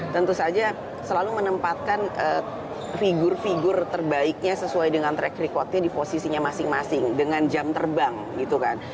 tentu saja selalu menempatkan figur figur terbaiknya sesuai dengan track recordnya di posisinya masing masing dengan jam terbang gitu kan